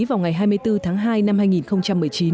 vào ngày hai mươi bốn tháng hai năm hai nghìn một mươi chín